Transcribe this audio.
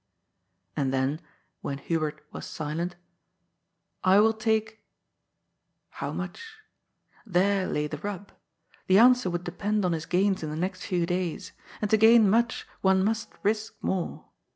And then, when Hubert was silent :« I will take " How much? There lay the rub. The answer would depend on his gains in the next few days. And to gain much one must risk more.